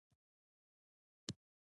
د دوی له برکته د ښار شتمني زیاته شوې.